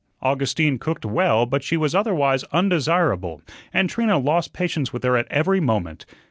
Augustine cooked well, but she was otherwise undesirable, and Trina lost patience with her at every moment.